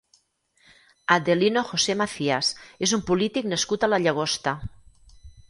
Adelino José Macías és un polític nascut a la Llagosta.